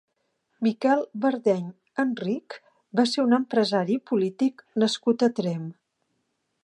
Miquel Verdeny Enrich va ser un empresari i polític nascut a Tremp.